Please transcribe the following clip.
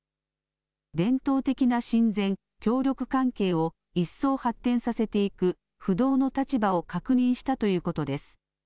伝統的な親善、協力関係を一層、発展させていく不動の立場を確認したということです。